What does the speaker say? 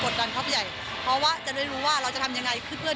กดดันครับใหญ่เพราะว่าจะรู้ว่าเราจะทำยังไงคือเพื่อ